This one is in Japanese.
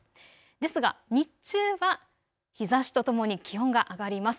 ですが日中は日ざしとともに気温が上がります。